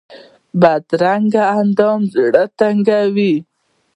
بدرنګه اندام زړه تنګوي